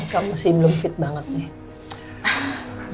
kamu masih belum fit banget nih